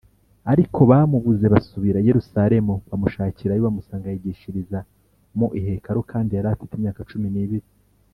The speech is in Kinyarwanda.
Ariko bamubuze basubira i Yerusalemu kumushakirayo bamusanga yigishiriza mu ihekaru kandi yari afite imyaka cumi n’ibiri.